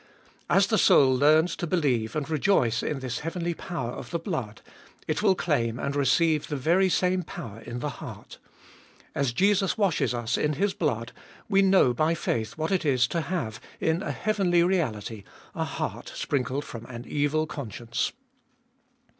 As the soul learns to believe and rejoice in this heavenly power 378 ftbe iboliest of BH of the blood, it will claim and receive the very same power in the heart ; as Jesus washes us in His blood, we know by faith what it is to have, in a heavenly reality, a heart sprinkled from an evil conscience.